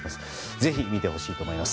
ぜひ、見てほしいと思います。